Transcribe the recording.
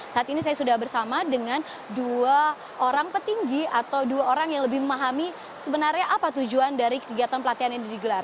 saat ini saya sudah bersama dengan dua orang petinggi atau dua orang yang lebih memahami sebenarnya apa tujuan dari kegiatan pelatihan yang digelar